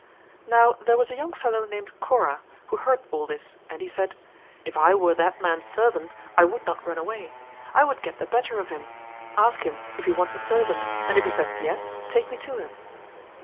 Now there was a young fellow named Kora who heard all this and he said "If I were that man's servant I would not run away. I would get the better of him; ask him if he wants a servant and if he says, yes, take me to him."